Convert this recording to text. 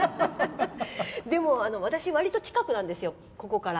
でも、私わりと近くなんです、ここから。